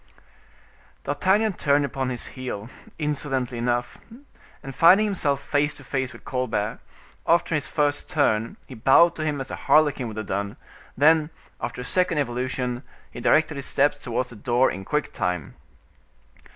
D'Artagnan turned upon his heel, insolently enough, and finding himself face to face with Colbert, after his first turn, he bowed to him as a harlequin would have done; then, after a second evolution, he directed his steps towards the door in quick time.